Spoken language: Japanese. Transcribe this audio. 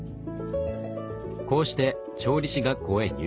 こうして調理師学校へ入学。